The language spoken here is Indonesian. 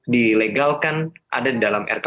dilegalkan ada diperhentikan